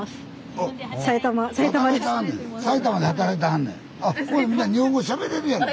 あみんな日本語しゃべれるやんか。